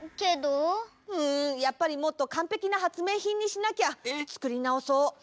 うんやっぱりもっとかんぺきなはつめいひんにしなきゃ。え！？つくりなおそう！